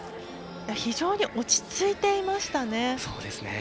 非常に落ち着いていましたね。